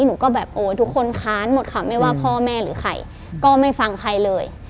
หนูก็แบบโอ้ยทุกคนค้านหมดค่ะไม่ว่าพ่อแม่หรือใครก็ไม่ฟังใครเลย